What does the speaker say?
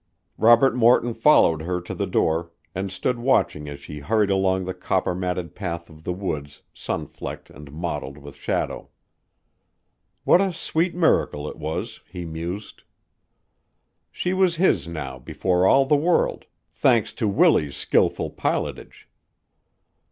Robert Morton followed her to the door and stood watching as she hurried along the copper matted path of the woods sunflecked and mottled with shadow. What a sweet miracle it was, he mused! She was his now before all the world, thanks to Willie's skilful pilotage.